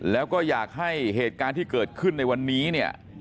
แล้วก็อยากให้เหตุการณ์ที่เกิดขึ้นในวันนี้เนี่ย